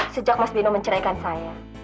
sejak mas bino menceraikan saya